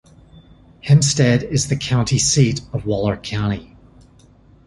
Hempstead is the county seat of Waller County.